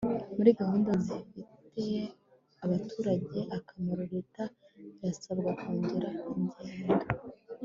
muri gahunda zifitiye abaturage akamaro leta irasabwa kongera ingengo